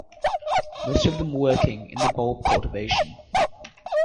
Most of them working in the Bulb cultivation.